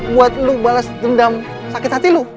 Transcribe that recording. buat lu balas dendam sakit hati lu